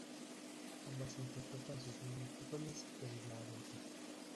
Ambas interpretan sus mismos papeles, pero ya adultas.